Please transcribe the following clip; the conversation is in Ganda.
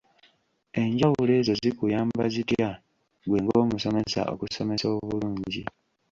Enjawulo ezo zikuyamba zitya ggwe ng'omusomesa okusomesa obulungi?